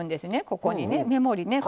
ここにね目盛りね。